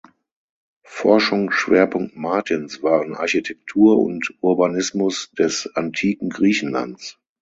Forschungsschwerpunkt Martins waren Architektur und Urbanismus des antiken Griechenlands.